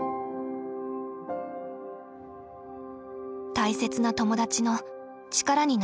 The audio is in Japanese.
大切な友達の力になりたい。